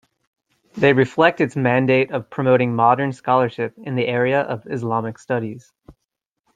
They reflect its mandate of promoting modern scholarship in the area of Islamic studies.